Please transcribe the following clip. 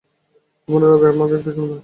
ঘুমানোর আগে আমাকে একটা চুমু দাও।